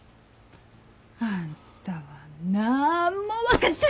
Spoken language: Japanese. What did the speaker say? あんたはなーんも分かっちょらん！